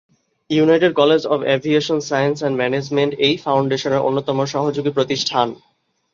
United College of Aviation, Science and Management এই ফাউন্ডেশনের অন্যতম সহযোগী প্রতিষ্ঠান।